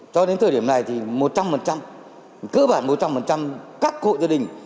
cho đến thời điểm này thì một trăm linh cơ bản một trăm linh các hộ gia đình